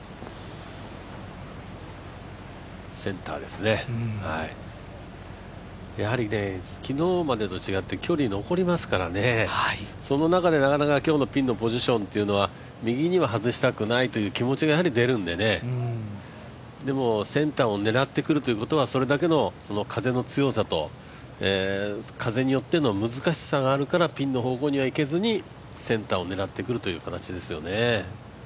センターですね、やはり昨日までと違って距離が残りますから、その中でなかなか今日のピンのポジションというのは、右には外したくないという気持ちが出るんでねでもセンターを狙ってくるということは、それだけの風の強さと風によっての難しさがあるからピンの方向にはいけずにセンターを狙ってくる形ですよね。